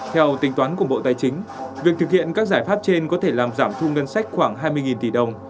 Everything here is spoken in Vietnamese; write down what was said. theo tính toán của bộ tài chính việc thực hiện các giải pháp trên có thể làm giảm thu ngân sách khoảng hai mươi tỷ đồng